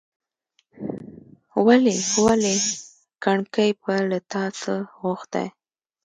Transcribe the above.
ولي! ولي! کڼکۍ به له تا څه غوښتاى ،